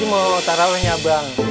bentar lagi mau tarah orangnya bang